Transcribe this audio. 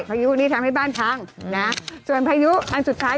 พายุนี่ทำให้บ้านพังนะส่วนพายุอันสุดท้าย